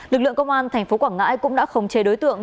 lực lượng công an tp quảng ngãi cũng đã khống chế đối tượng